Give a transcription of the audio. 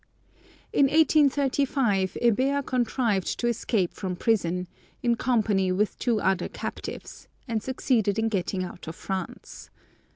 In 1835 Hébert contrived to escape from prison, in company with two other captives, and succeeded in getting out of France.